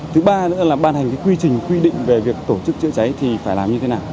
thứ ba nữa là ban hành quy trình quy định về việc tổ chức chữa cháy thì phải làm như thế nào